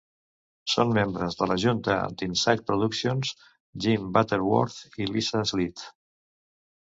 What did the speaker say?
Són membres de la junta d'Incite Productions Jim Butterworth i Lisa Sleeth.